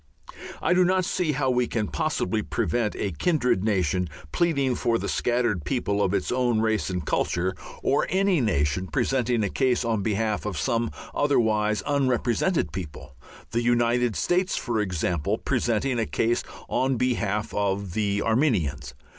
I do not see how we can possibly prevent a kindred nation pleading for the scattered people of its own race and culture, or any nation presenting a case on behalf of some otherwise unrepresented people the United States, for example, presenting a case on behalf of the Armenians.